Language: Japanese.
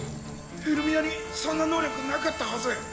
ヘルミアにそんな能力なかったはず。